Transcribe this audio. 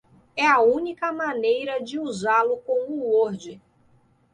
É a única maneira de usá-lo com o Word.